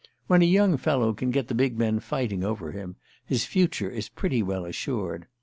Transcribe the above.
When a young fellow can get the big men fighting over him his future is pretty well assured.